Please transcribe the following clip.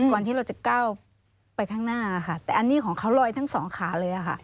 ที่เราจะก้าวไปข้างหน้าค่ะแต่อันนี้ของเขาลอยทั้งสองขาเลยค่ะ